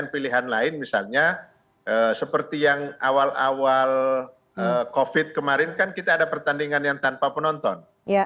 pilihan lain misalnya seperti yang awal awal covid kemarin kan kita ada pertandingan yang tanpa penonton